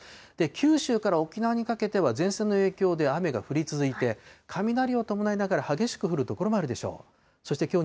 九州から沖縄にかけては前線の影響で雨が降り続いて、雷を伴いながら、激しく降る所もあるでしょう。